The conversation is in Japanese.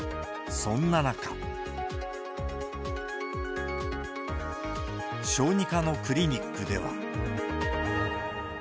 そんな中、小児科のクリニックでは。